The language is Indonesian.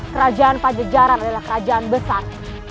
kerajaan pajajaran adalah kerajaan besar